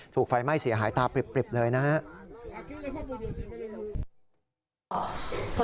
ไฟไหม้เสียหายตาปริบเลยนะครับ